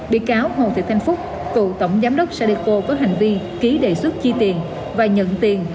bị cáo hồ thị thanh phúc cựu tổng giám đốc sadeco có hành vi ký đề xuất chi tiền và nhận tiền